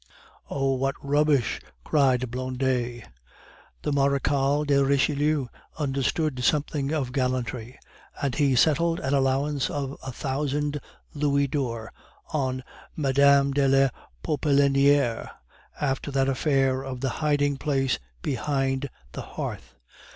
"Oh, what rubbish!" cried Blondet. "The Marechal de Richelieu understood something of gallantry, and he settled an allowance of a thousand louis d'or on Mme. de la Popeliniere after that affair of the hiding place behind the hearth.